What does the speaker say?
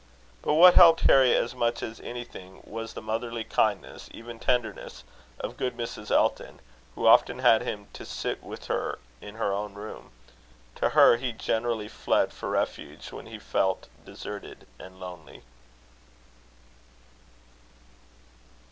But what helped Harry as much as anything, was the motherly kindness, even tenderness, of good Mrs. Elton, who often had him to sit with her in her own room. To her he generally fled for refuge, when he felt deserted and lonely.